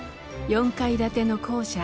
４階建ての校舎